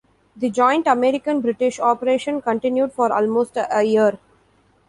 The joint American-British operation continued for almost a year.